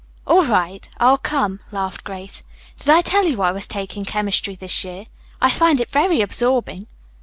"All right, I'll come," laughed Grace. "Did I tell you I was taking chemistry this year? I find it very absorbing."